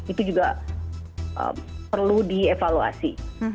itu juga perlu dievaluasi